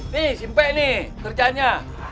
nih simpe ini kerjanya